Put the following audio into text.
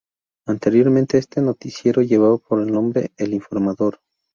Anteriormente este noticiero llevaba por nombre El informador.